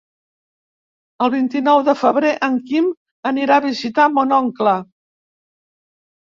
El vint-i-nou de febrer en Quim anirà a visitar mon oncle.